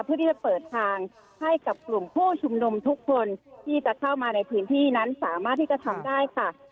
เพื่อที่จะเปิดทางให้กับกลุ่มผู้ชุมนุมทุกคนที่จะเข้ามาในพื้นที่นั้นสามารถที่จะทำได้ค่ะ